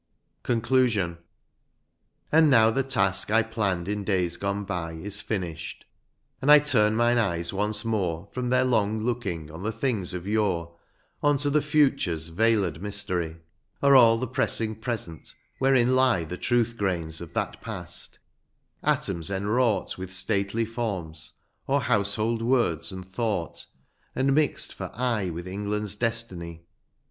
198 CONCLUSION. And now the task I planned in days gone by Is finished ; and I turn mine eyes once more From their long looking on the things of yore Unto the future's veil6d mystery, Or the all pressing present, wherein lie The truth grains of that past — atoms enwrought With stately forms, or household words and thought. And mixed for aye with England's destiny.